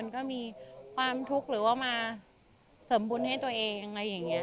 ก็มีความทุกข์หรือว่ามาเสริมบุญให้ตัวเองอะไรอย่างนี้